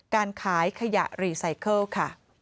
๖การขายขยะรีไซเคิล